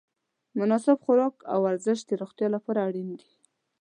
مناسب خوراک او ورزش د روغتیا لپاره اړین دي.